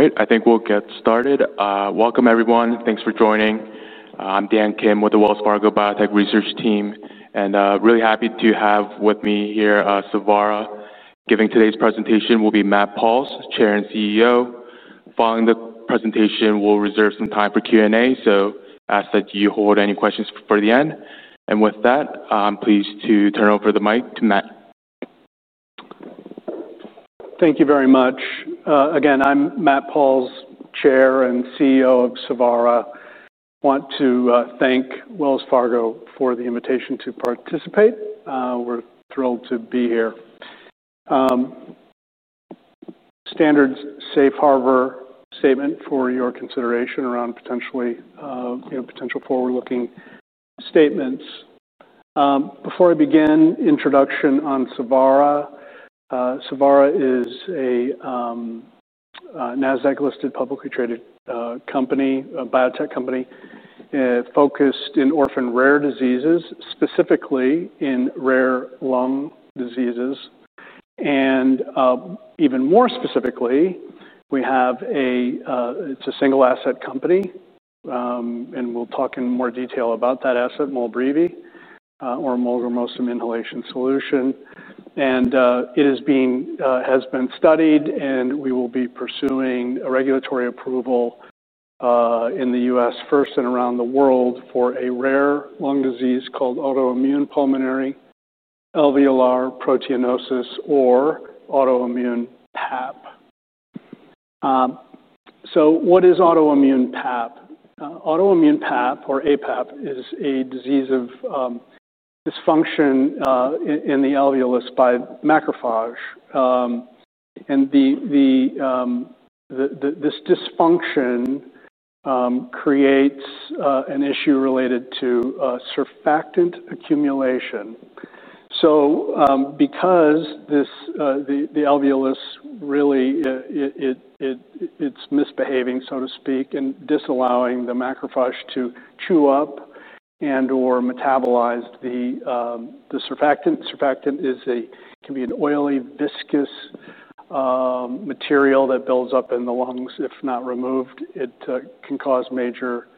... All right, I think we'll get started. Welcome, everyone. Thanks for joining. I'm Dan Kim with the Wells Fargo Biotech Research Team, and really happy to have with me here, Savara. Giving today's presentation will be Matt Pauls, Chair and CEO. Following the presentation, we'll reserve some time for Q&A. So I ask that you hold any questions for the end, and with that, I'm pleased to turn over the mic to Matt. Thank you very much. Again, I'm Matt Pauls, Chair and CEO of Savara. I want to thank Wells Fargo for the invitation to participate. We're thrilled to be here. Standard safe harbor statement for your consideration around potentially, you know, potential forward-looking statements. Before I begin, introduction on Savara. Savara is a NASDAQ-listed, publicly traded company, a biotech company, focused in orphan rare diseases, specifically in rare lung diseases. And even more specifically, we have a. It's a single-asset company, and we'll talk in more detail about that asset, Molbrivi, or molgramostim inhalation solution. And it is being, has been studied, and we will be pursuing a regulatory approval in the US first, and around the world, for a rare lung disease called autoimmune pulmonary alveolar proteinosis or autoimmune PAP. So what is autoimmune PAP? Autoimmune PAP or APAP is a disease of dysfunction in the alveolus by macrophage. And this dysfunction creates an issue related to surfactant accumulation. Because the alveolus really it's misbehaving, so to speak, and disallowing the macrophage to chew up and/or metabolize the surfactant. Surfactant can be an oily, viscous material that builds up in the lungs. If not removed, it can cause major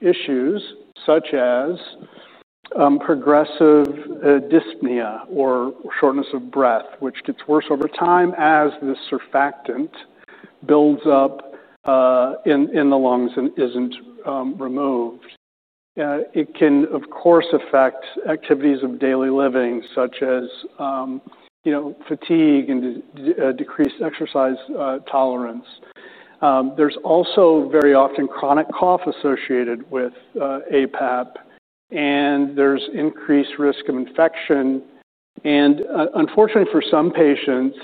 issues, such as progressive dyspnea or shortness of breath, which gets worse over time as the surfactant builds up in the lungs and isn't removed. It can, of course, affect activities of daily living, such as, you know, fatigue and decreased exercise tolerance. There's also very often chronic cough associated with aPAP, and there's increased risk of infection. Unfortunately, for some patients,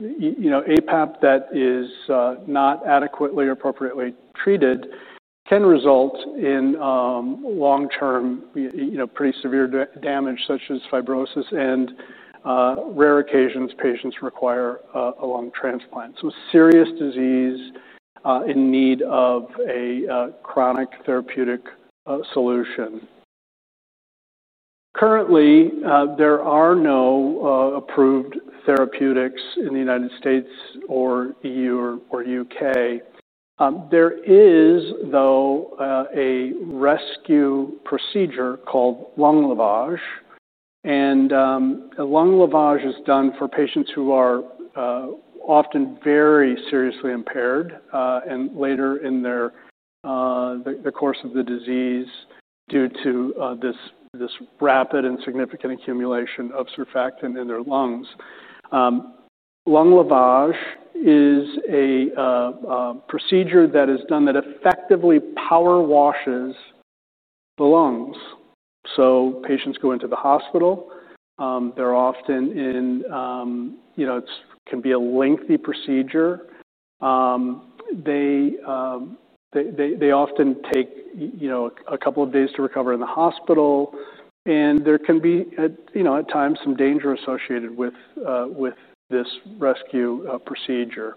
you know, aPAP that is not adequately or appropriately treated can result in long-term, you know, pretty severe damage such as fibrosis and, in rare occasions, patients require a lung transplant. Serious disease in need of a chronic therapeutic solution. Currently, there are no approved therapeutics in the United States or EU or UK. There is, though, a rescue procedure called lung lavage, and a lung lavage is done for patients who are often very seriously impaired, and later in the course of the disease due to this rapid and significant accumulation of surfactant in their lungs. Lung lavage is a procedure that is done that effectively power washes the lungs. So patients go into the hospital. They're often in, you know, it can be a lengthy procedure. They often take, you know, a couple of days to recover in the hospital, and there can be, you know, at times, some danger associated with this rescue procedure.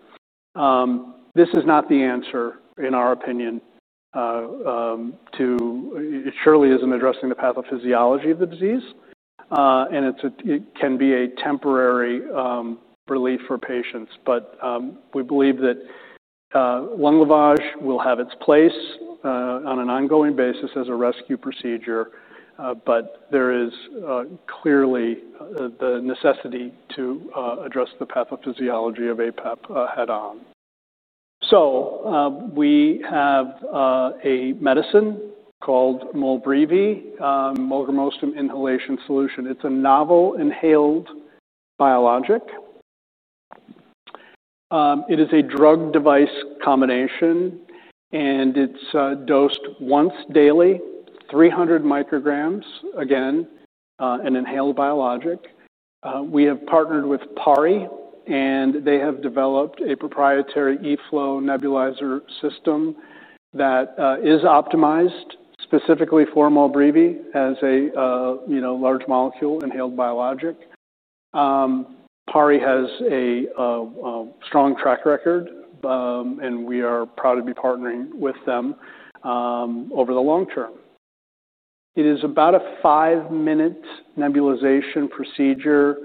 This is not the answer, in our opinion, to it. It surely isn't addressing the pathophysiology of the disease. And it's a. It can be a temporary relief for patients. But we believe that lung lavage will have its place on an ongoing basis as a rescue procedure, but there is clearly the necessity to address the pathophysiology of aPAP head-on. So we have a medicine called Molbrivi, molgramostim inhalation solution. It's a novel inhaled biologic. It is a drug-device combination, and it's dosed once daily, 300 micrograms. Again, an inhaled biologic. We have partnered with Pari, and they have developed a proprietary eFlow nebulizer system that is optimized specifically for Molbrivi as a you know, large molecule inhaled biologic. Pari has a strong track record, and we are proud to be partnering with them over the long term. It is about a five-minute nebulization procedure,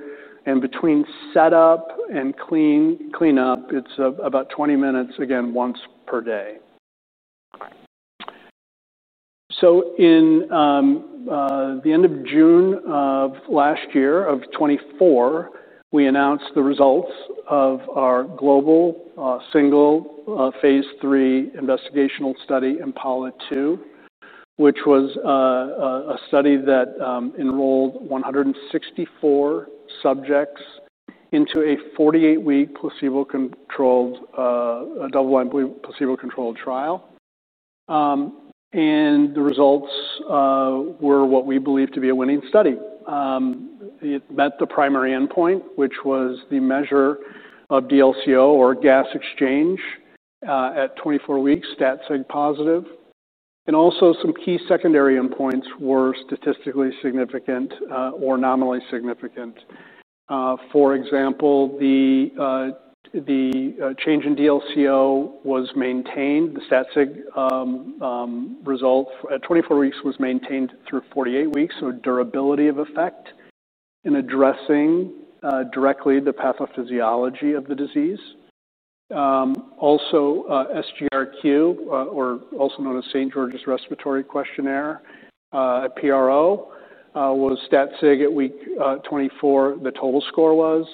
and between setup and clean, cleanup, it's about twenty minutes, again, once per day. So in the end of June of last year, of 2024, we announced the results of our global single phase III investigational study, IMPALA-2, which was a study that enrolled one hundred and sixty-four subjects into a forty-eight-week placebo-controlled a double-blind, placebo-controlled trial. And the results were what we believe to be a winning study. It met the primary endpoint, which was the measure of DLco or gas exchange at twenty-four weeks, stat sig positive, and also some key secondary endpoints were statistically significant or nominally significant. For example, the change in DLco was maintained. The stat sig result at 24 weeks was maintained through 48 weeks, so durability of effect in addressing directly the pathophysiology of the disease. Also, SGRQ, or also known as St. George's Respiratory Questionnaire, at PRO, was stat sig at week 24, the total score was.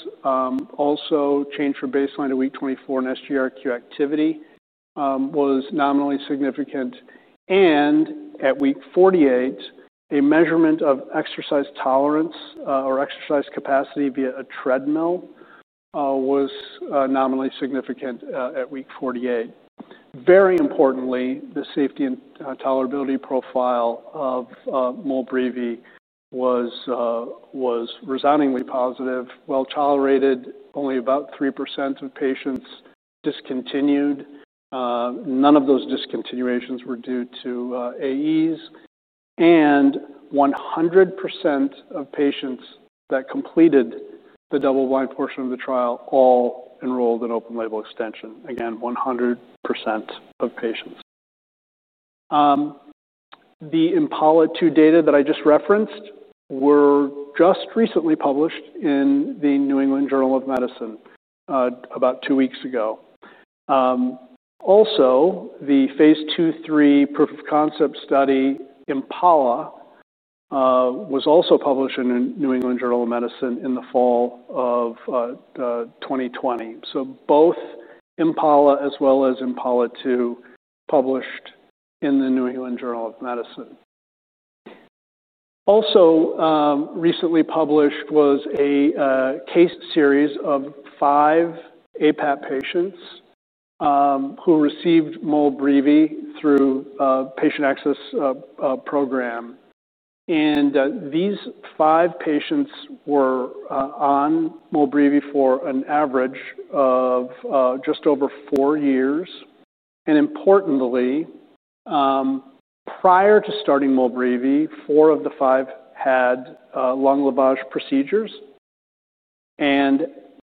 Also change from baseline to week 24 in SGRQ activity was nominally significant, and at week 48, a measurement of exercise tolerance or exercise capacity via a treadmill was nominally significant at week 48. Very importantly, the safety and tolerability profile of Molbrivi was resoundingly positive, well-tolerated. Only about 3% of patients discontinued. None of those discontinuations were due to AEs, and 100% of patients that completed the double-blind portion of the trial all enrolled in open-label extension. Again, 100% of patients. The IMPALA-2 data that I just referenced were just recently published in the New England Journal of Medicine about two weeks ago. Also, the Phase Two/Three proof of concept study, IMPALA, was also published in the New England Journal of Medicine in the fall of 2020. So both IMPALA as well as IMPALA-2, published in the New England Journal of Medicine. Also, recently published was a case series of five aPAP patients who received Molbrivi through a patient access program. And these five patients were on Molbrivi for an average of just over four years. And importantly, prior to starting Molbrivi, four of the five had lung lavage procedures, and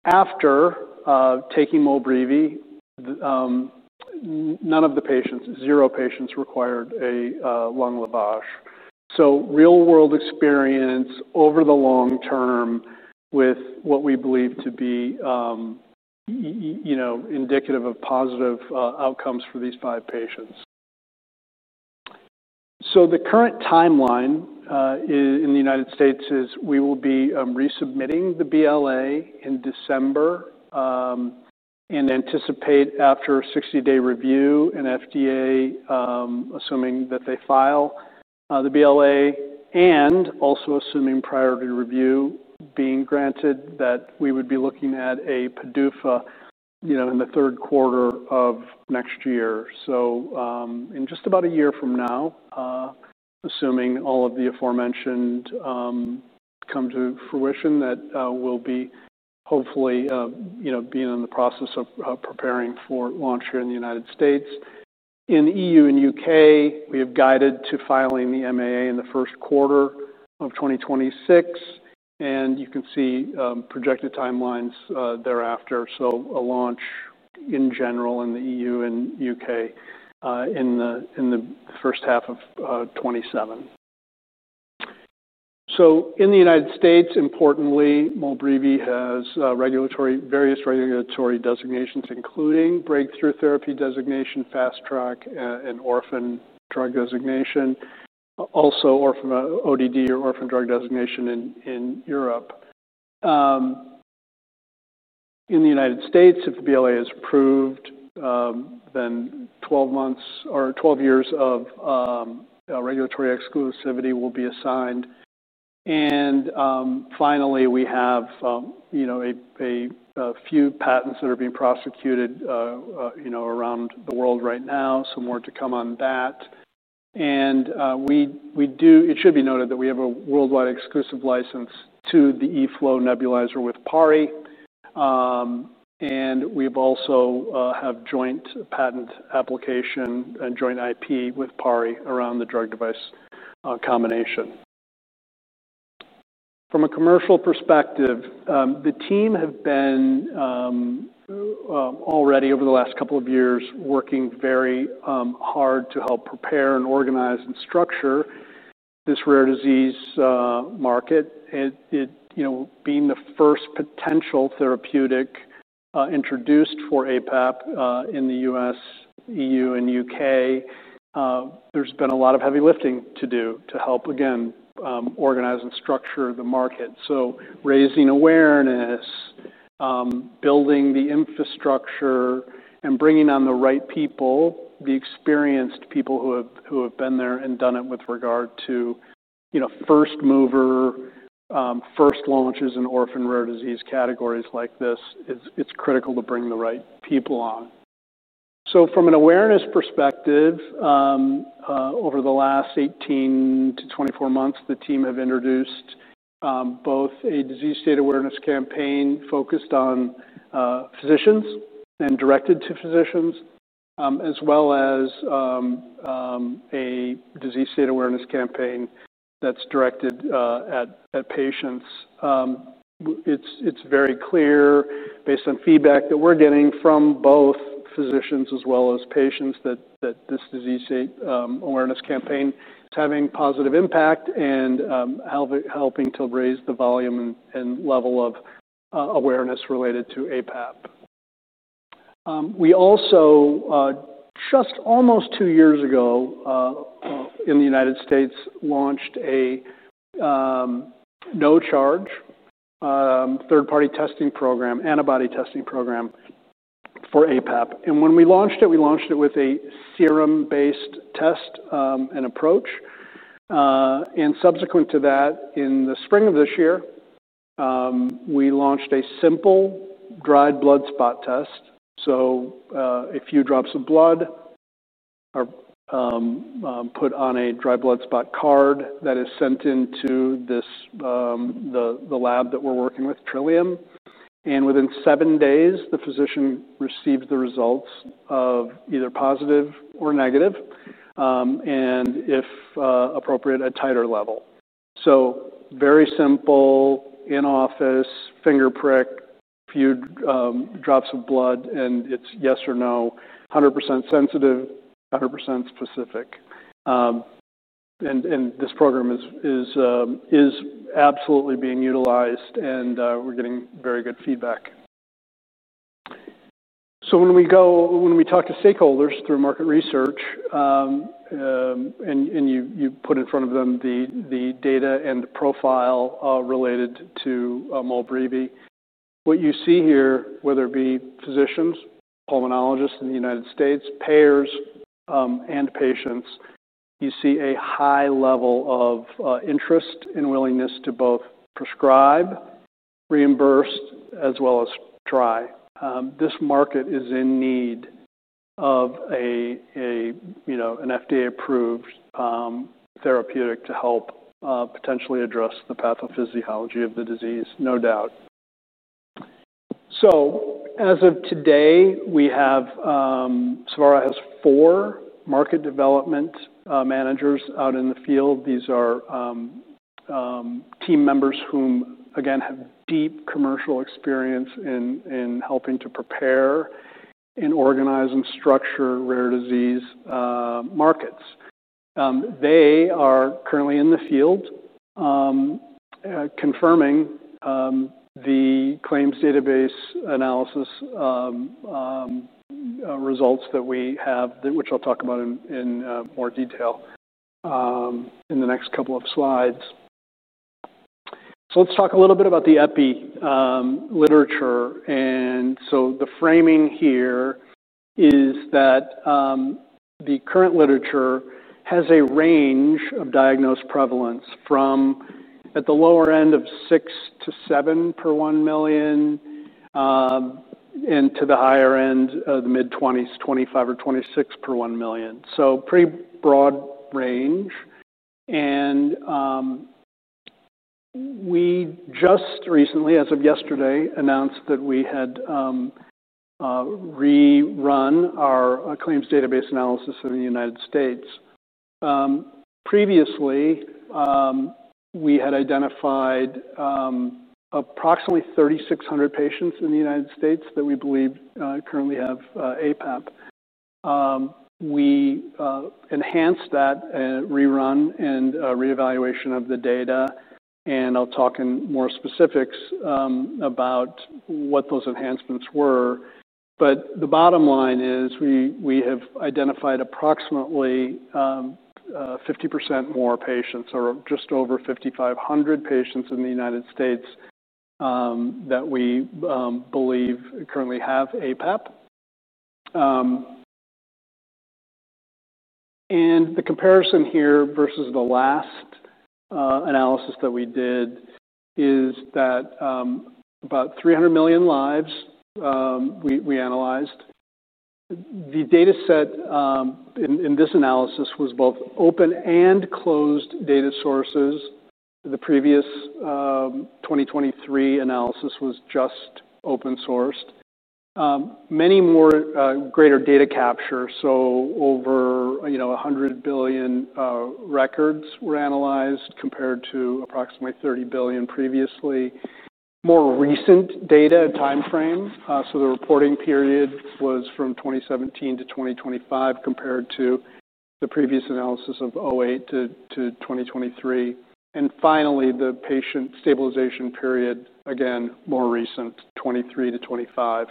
after taking Molbrivi, none of the patients, zero patients required a lung lavage. So real-world experience over the long term with what we believe to be, you know, indicative of positive outcomes for these five patients. The current timeline in the United States is we will be resubmitting the BLA in December. And anticipate after a 60-day review and FDA, assuming that they file the BLA, and also assuming priority review being granted, that we would be looking at a PDUFA, you know, in the third quarter of next year. So, in just about a year from now, assuming all of the aforementioned come to fruition, that we'll be hopefully, you know, being in the process of preparing for launch here in the United States. In the EU and UK, we have guided to filing the MAA in the first quarter of twenty twenty-six, and you can see projected timelines thereafter. A launch in general in the EU and UK in the first half of twenty twenty-seven. In the United States, importantly, Molbrivi has various regulatory designations, including breakthrough therapy designation, Fast Track, and Orphan Drug Designation. Also, ODD or Orphan Drug Designation in Europe. In the United States, if the BLA is approved, then twelve months or twelve years of regulatory exclusivity will be assigned. Finally, we have you know a few patents that are being prosecuted you know around the world right now. More to come on that. It should be noted that we have a worldwide exclusive license to the eFlow nebulizer with Pari, and we've also have joint patent application and joint IP with Pari around the drug device combination. From a commercial perspective, the team have been already over the last couple of years, working very hard to help prepare and organize and structure this rare disease market. It, you know, being the first potential therapeutic introduced for aPAP in the U.S., EU, and U.K., there's been a lot of heavy lifting to do to help, again, organize and structure the market. So raising awareness, building the infrastructure, and bringing on the right people, the experienced people who have been there and done it with regard to, you know, first mover, first launches in orphan rare disease categories like this, it's critical to bring the right people on. So from an awareness perspective, over the last 18-24 months, the team have introduced both a disease state awareness campaign focused on physicians and directed to physicians, as well as a disease state awareness campaign that's directed at patients. It's very clear, based on feedback that we're getting from both physicians as well as patients, that this disease state awareness campaign is having positive impact and helping to raise the volume and level of awareness related to APAP. We also just almost two years ago in the United States launched a no-charge third-party testing program, antibody testing program for aPAP. When we launched it, we launched it with a serum-based test and approach. Subsequent to that, in the spring of this year, we launched a simple dried blood spot test. A few drops of blood are put on a dried blood spot card that is sent into the lab that we're working with, Trillium. Within seven days, the physician receives the results of either positive or negative and, if appropriate, a titer level. Very simple, in-office finger prick, a few drops of blood, and it's yes or no, 100% sensitive, 100% specific. This program is absolutely being utilized, and we're getting very good feedback. So when we talk to stakeholders through market research, and you put in front of them the data and the profile related to Molbrivi, what you see here, whether it be physicians, pulmonologists in the United States, payers, and patients, you see a high level of interest and willingness to both prescribe, reimburse, as well as try. This market is in need of a, you know, an FDA-approved therapeutic to help potentially address the pathophysiology of the disease, no doubt. So as of today, Savara has four market development managers out in the field. These are team members whom, again, have deep commercial experience in helping to prepare and organize and structure rare disease markets. They are currently in the field confirming the claims database analysis results that we have, which I'll talk about in more detail in the next couple of slides. So let's talk a little bit about the epi literature. And so the framing here is that the current literature has a range of diagnosed prevalence from at the lower end of six to seven per one million, and to the higher end of the mid-20s, 25 or 26 per one million. So pretty broad range. And we just recently, as of yesterday, announced that we had rerun our claims database analysis in the United States. Previously, we had identified approximately 3,600 patients in the United States that we believe currently have aPAP. We enhanced that rerun and reevaluation of the data, and I'll talk in more specifics about what those enhancements were. But the bottom line is, we have identified approximately 50% more patients, or just over 5,500 patients in the United States that we believe currently have aPAP. The comparison here versus the last analysis that we did is that about 300 million lives we analyzed. The data set in this analysis was both open and closed data sources. The previous 2023 analysis was just open source. Many more greater data capture. So over, you know, 100 billion records were analyzed, compared to approximately 30 billion previously. More recent data and timeframe. So the reporting period was from 2017 to 2025, compared to the previous analysis of 2008 to 2023. And finally, the patient stabilization period, again, more recent, 2023 to 2025.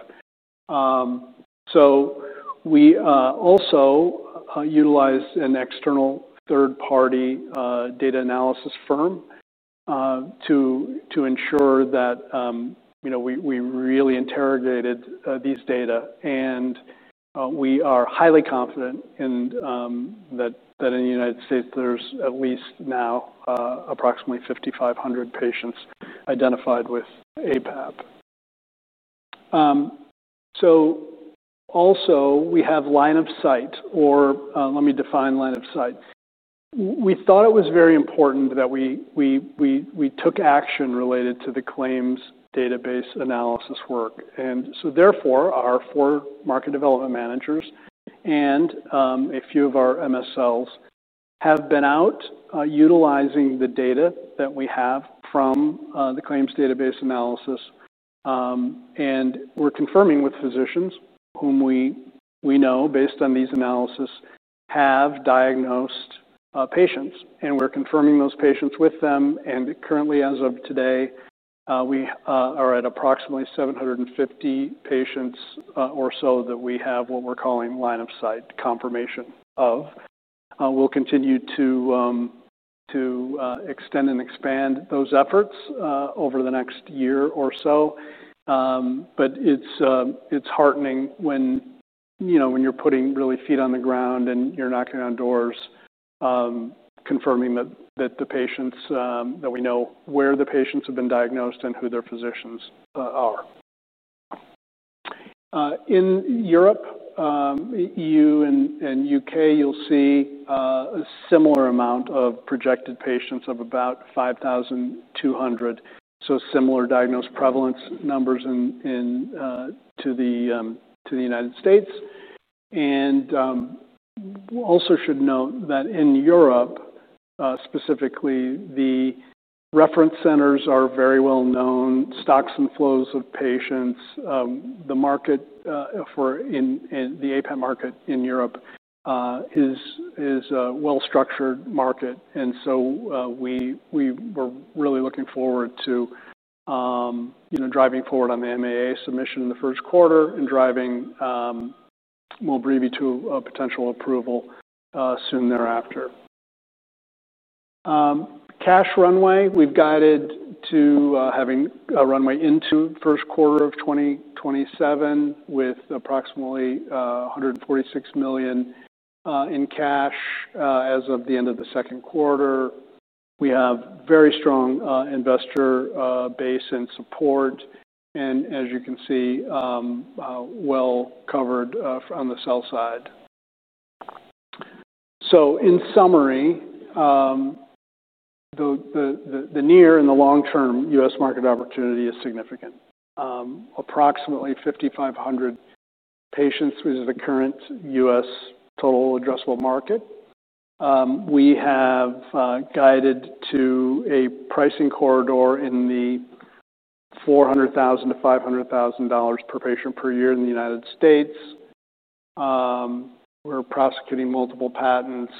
So we also utilized an external third-party data analysis firm to ensure that, you know, we really interrogated these data. And we are highly confident in that in the United States, there's at least now approximately 5,500 patients identified with aPAP. So also we have line of sight, or let me define line of sight. We thought it was very important that we took action related to the claims database analysis work. And so therefore, our four market development managers and a few of our MSLs have been out, utilizing the data that we have from the claims database analysis. And we're confirming with physicians whom we know, based on these analysis, have diagnosed patients, and we're confirming those patients with them. And currently, as of today, we are at approximately seven hundred and fifty patients or so that we have what we're calling line of sight confirmation of. We'll continue to extend and expand those efforts over the next year or so. But it's heartening when, you know, when you're putting really feet on the ground and you're knocking on doors, confirming that the patients that we know where the patients have been diagnosed and who their physicians are. In Europe, E.U. and U.K., you'll see a similar amount of projected patients of about 5,200, so similar diagnosed prevalence numbers in to the United States. We also should note that in Europe, specifically, the reference centers are very well known, stocks and flows of patients. The market for the aPAP market in Europe is a well-structured market. And so, we were really looking forward to, you know, driving forward on the MAA submission in the first quarter and driving Molbrivi to a potential approval soon thereafter. Cash runway, we've guided to having a runway into first quarter of 2027, with approximately $146 million in cash as of the end of the second quarter. We have very strong investor base and support, and as you can see, well covered on the sell side. So in summary, the near and the long-term U.S. market opportunity is significant. Approximately 5,500 patients is the current U.S. total addressable market. We have guided to a pricing corridor in the $400,000-$500,000 per patient per year in the United States. We're prosecuting multiple patents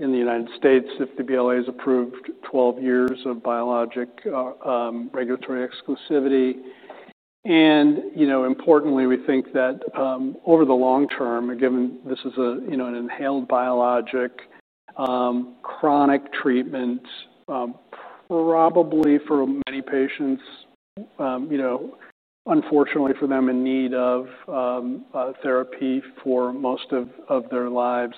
in the United States. If the BLA is approved, 12 years of biologic regulatory exclusivity. And, you know, importantly, we think that over the long term, and given this is a, you know, an inhaled biologic, chronic treatment probably for many patients, you know, unfortunately for them in need of therapy for most of their lives.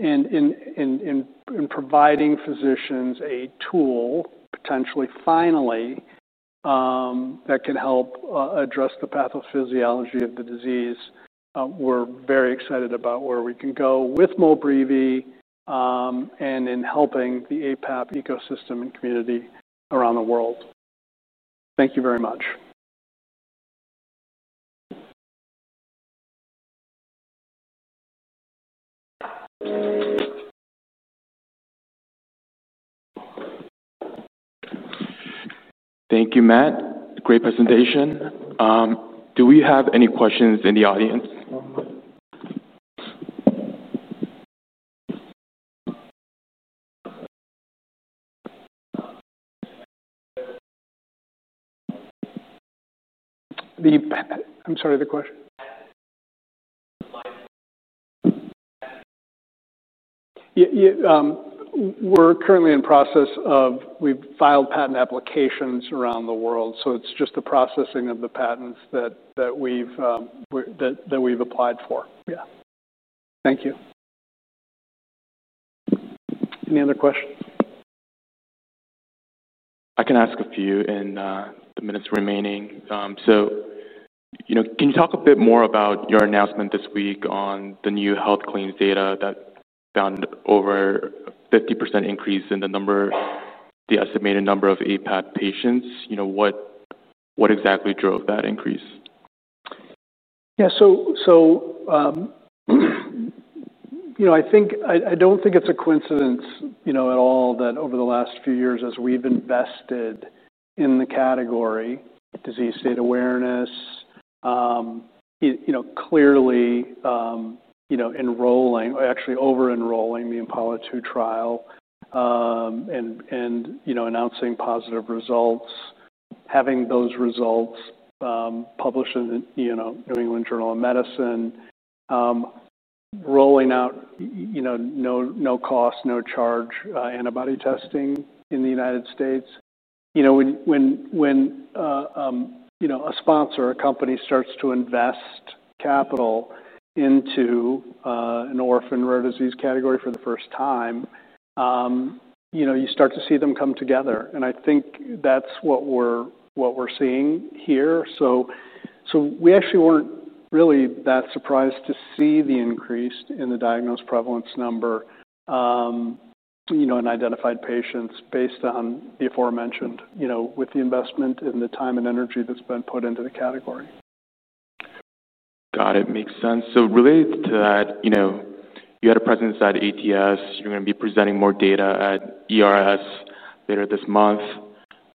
In providing physicians a tool, potentially finally, that can help address the pathophysiology of the disease, we're very excited about where we can go with Molbrivi, and in helping the aPAP ecosystem and community around the world. Thank you very much. Thank you, Matt. Great presentation. Do we have any questions in the audience? I'm sorry, the question? Yeah, yeah. We're currently in process of-- We've filed patent applications around the world, so it's just the processing of the patents that we've applied for. Yeah. Thank you. Any other questions? I can ask a few in the minutes remaining. So, you know, can you talk a bit more about your announcement this week on the new health claims data that found over a 50% increase in the estimated number of aPAP patients, you know, what exactly drove that increase? Yeah, so, you know, I think I don't think it's a coincidence, you know, at all, that over the last few years, as we've invested in the category, disease state awareness, you know, clearly, you know, enrolling or actually over-enrolling the IMPALA-2 trial, and you know, announcing positive results, having those results, published in the, you know, New England Journal of Medicine. Rolling out, you know, no cost, no charge, antibody testing in the United States. You know, when you know, a sponsor or a company starts to invest capital into an orphan rare disease category for the first time, you know, you start to see them come together, and I think that's what we're seeing here. So, we actually weren't really that surprised to see the increase in the diagnosed prevalence number, you know, in identified patients based on the aforementioned, you know, with the investment and the time and energy that's been put into the category. Got it. Makes sense. So related to that, you know, you had a presence at ATS. You're going to be presenting more data at ERS later this month.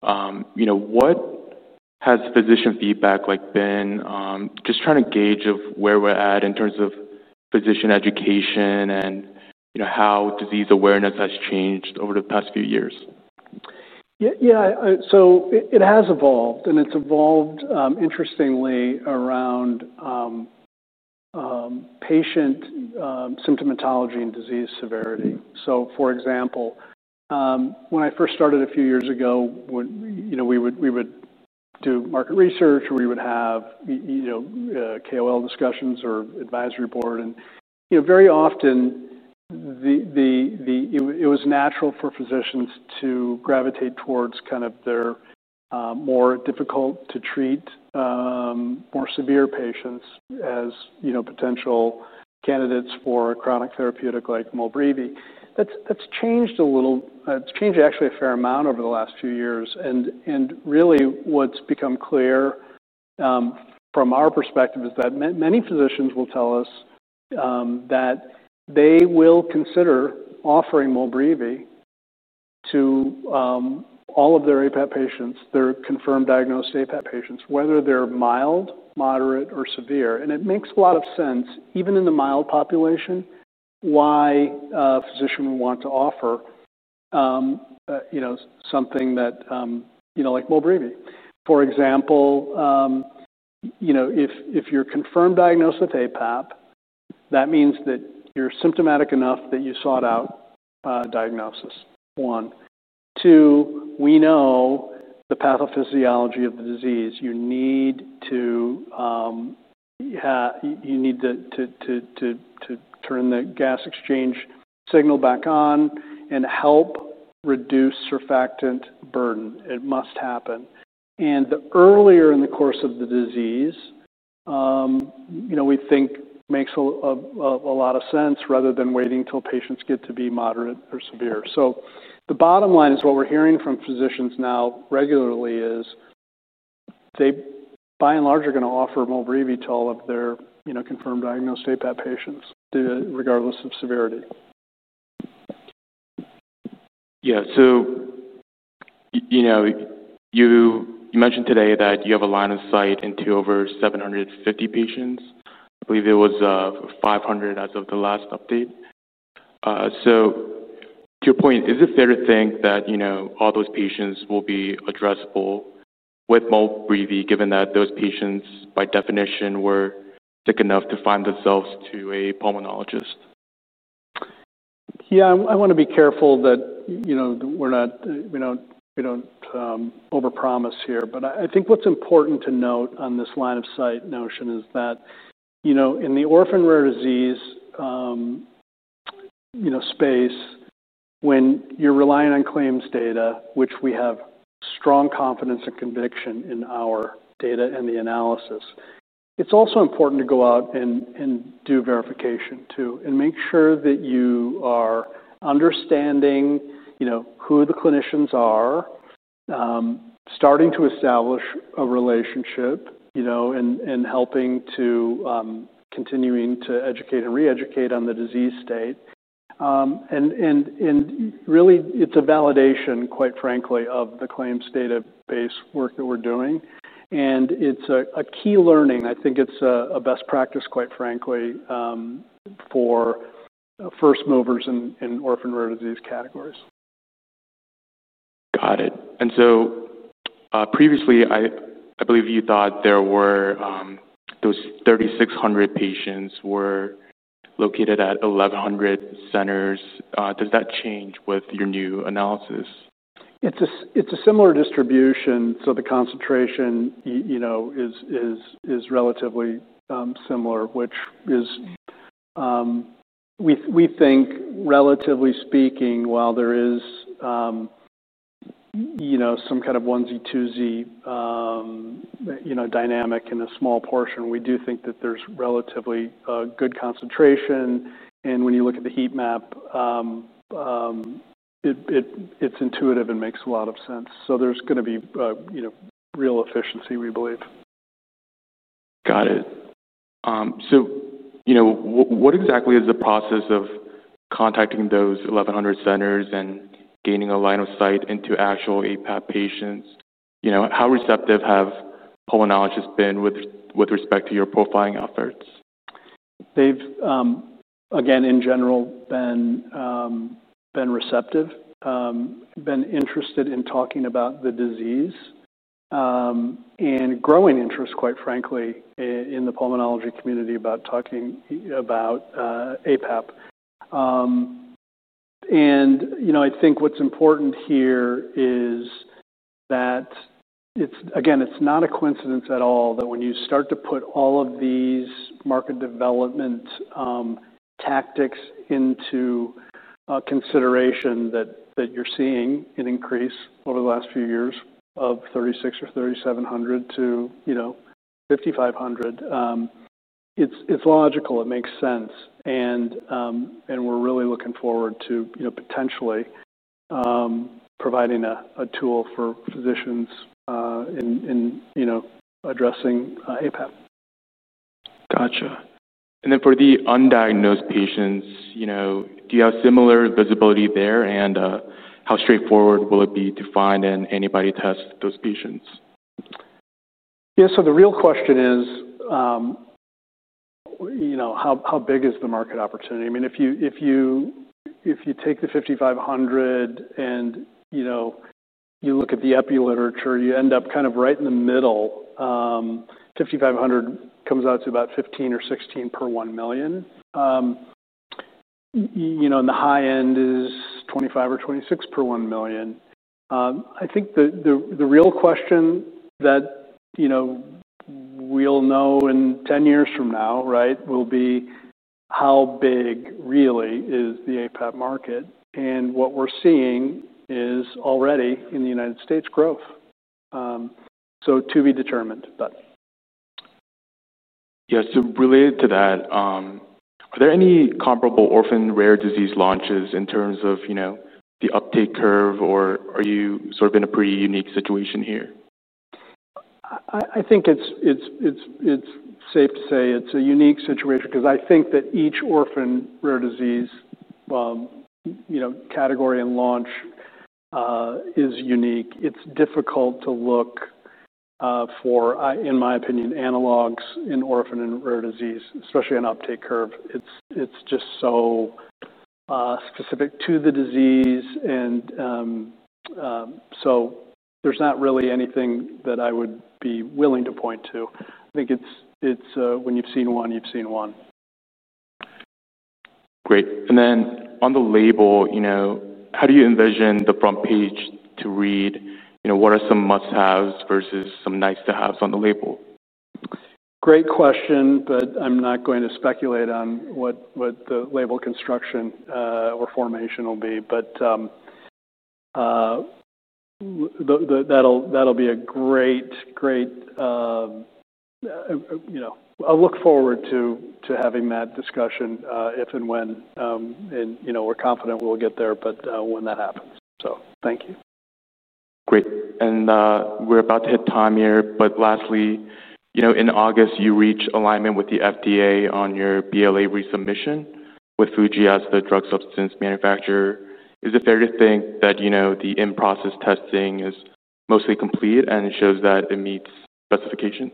You know, what has physician feedback like been? Just trying to gauge of where we're at in terms of physician education and, you know, how disease awareness has changed over the past few years. Yeah, yeah. So it has evolved, and it's evolved interestingly around patient symptomatology and disease severity. So, for example, when I first started a few years ago, when you know, we would do market research, or we would have you know, KOL discussions or advisory board. And you know, very often it was natural for physicians to gravitate towards kind of their more difficult-to-treat more severe patients, as you know, potential candidates for a chronic therapeutic like Molbrivi. That's changed a little. It's changed actually a fair amount over the last few years, and really what's become clear from our perspective is that many physicians will tell us that they will consider offering Molbrivi to all of their APAP patients, their confirmed diagnosed APAP patients, whether they're mild, moderate, or severe. And it makes a lot of sense, even in the mild population, why a physician would want to offer you know, something that you know, like Molbrivi. For example, you know, if you're confirmed diagnosed with APAP, that means that you're symptomatic enough that you sought out a diagnosis, one. Two, we know the pathophysiology of the disease. You need to turn the gas exchange signal back on and help reduce surfactant burden. It must happen. The earlier in the course of the disease, you know, we think makes a lot of sense rather than waiting till patients get to be moderate or severe. So the bottom line is, what we're hearing from physicians now regularly is they, by and large, are going to offer Molbrivi to all of their, you know, confirmed diagnosed aPAP patients, regardless of severity. Yeah. So, you know, you mentioned today that you have a line of sight into over seven hundred and fifty patients. I believe it was five hundred as of the last update. So to your point, is it fair to think that, you know, all those patients will be addressable with Molbrivi, given that those patients, by definition, were sick enough to find themselves to a pulmonologist? Yeah. I want to be careful that, you know, we're not... We don't overpromise here, but I think what's important to note on this line of sight notion is that, you know, in the orphan rare disease, you know, space, when you're relying on claims data, which we have strong confidence and conviction in our data and the analysis, it's also important to go out and do verification too, and make sure that you are understanding, you know, who the clinicians are, starting to establish a relationship, you know, and helping to continuing to educate and re-educate on the disease state, and really it's a validation, quite frankly, of the claims data-based work that we're doing, and it's a key learning. I think it's a best practice, quite frankly, for first movers in orphan rare disease categories. Got it. And so, previously, I believe you thought there were those thirty-six hundred patients were located at eleven hundred centers. Does that change with your new analysis? It's a similar distribution, so the concentration, you know, is relatively similar, which is. We think, relatively speaking, while there is, you know, some kind of onesie-twosie, you know, dynamic in a small portion, we do think that there's relatively a good concentration. And when you look at the heat map, it's intuitive and makes a lot of sense. So there's going to be, you know, real efficiency, we believe.... Got it. So, you know, what exactly is the process of contacting those eleven hundred centers and gaining a line of sight into actual APAP patients? You know, how receptive have pulmonologists been with respect to your profiling efforts? They've again, in general, been receptive, been interested in talking about the disease, and growing interest, quite frankly, in the pulmonology community about talking about APAP. You know, I think what's important here is that it's again, it's not a coincidence at all that when you start to put all of these market development tactics into consideration, that you're seeing an increase over the last few years of 3,600 or 3,700 to, you know, 5,500. It's logical. It makes sense. We're really looking forward to, you know, potentially providing a tool for physicians in, you know, addressing APAP. Gotcha. And then for the undiagnosed patients, you know, do you have similar visibility there, and how straightforward will it be to find and antibody test those patients? Yeah, so the real question is, you know, how big is the market opportunity? I mean, if you take the 5,500 and, you know, you look at the epi literature, you end up kind of right in the middle. 5,500 comes out to about 15 or 16 per 1 million. You know, and the high end is 25 or 26 per 1 million. I think the real question that, you know, we'll know in 10 years from now, right? Will be, how big really is the APAP market, and what we're seeing is already in the United States growth. So to be determined, but... Yeah, so related to that, are there any comparable orphan rare disease launches in terms of, you know, the uptake curve, or are you sort of in a pretty unique situation here? I think it's safe to say it's a unique situation 'cause I think that each orphan rare disease, you know, category and launch is unique. It's difficult to look for, in my opinion, analogs in orphan and rare disease, especially in uptake curve. It's specific to the disease and so there's not really anything that I would be willing to point to. I think it's when you've seen one, you've seen one. Great, and then on the label, you know, how do you envision the front page to read? You know, what are some must-haves versus some nice-to-haves on the label? Great question, but I'm not going to speculate on what the label construction or formation will be. But that'll be a great, you know, I look forward to having that discussion if and when, and, you know, we're confident we'll get there, but when that happens. So thank you. Great, and, we're about to hit time here, but lastly, you know, in August, you reached alignment with the FDA on your BLA resubmission with Fujifilm as the drug substance manufacturer. Is it fair to think that, you know, the in-process testing is mostly complete and shows that it meets specifications?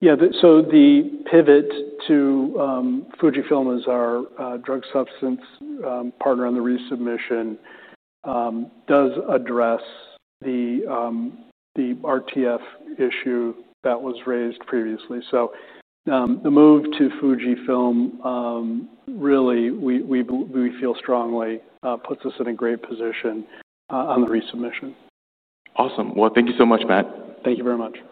Yeah, so the pivot to Fujifilm as our drug substance partner on the resubmission does address the RTF issue that was raised previously, so the move to Fujifilm really we feel strongly puts us in a great position on the resubmission. Awesome. Well, thank you so much, Matt. Thank you very much.